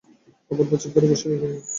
অপূর্ব চুপ করিয়া বসিয়া রহিল।